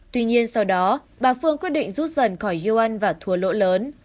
tuy nhiên sau đó bà phương quyết định rút dần khỏi yeo one và thua lỗ lớn